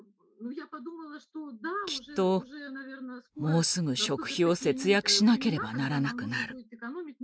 「きっともうすぐ食費を節約しなければならなくなる。